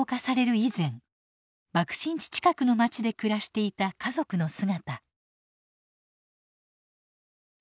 以前爆心地近くの街で暮らしていた家族の姿。